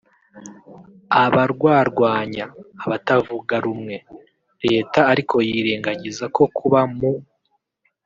abarwarwanya(abatavugarumwe) leta ariko yirengagiza ko kuba mu